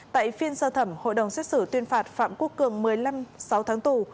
tại phiên sơ thẩm hội đồng xét xử tuyên phạt phạm quốc cường một mươi năm sáu tháng tù